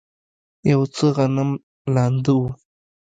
یو څه غنم لانده و.